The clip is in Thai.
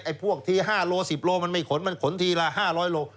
พวกที๕โล๑๐โลมันไม่ขนมันขนทีละ๕๐๐โล